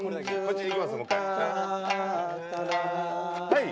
はい。